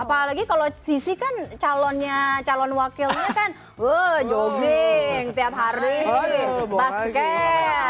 apalagi kalau sissy kan calon wakilnya kan jodeng tiap hari basket